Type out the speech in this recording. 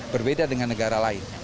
berbeda dengan negara lain